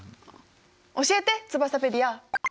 教えてツバサペディア。